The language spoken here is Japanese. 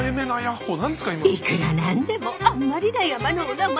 いくらなんでもあんまりな山のお名前。